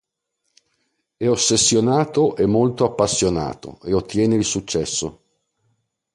È ossessionato e molto appassionato e ottiene il successo.